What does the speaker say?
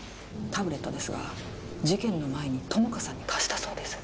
タブレットですが事件の前に友果さんに貸したそうです